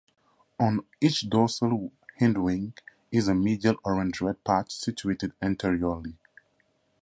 On each dorsal hindwing is a medial orange-red patch situated anteriorly.